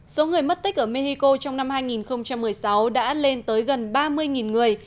số người mất tích ở mexico trong năm hai nghìn một mươi sáu đã lên tới gần ba mươi người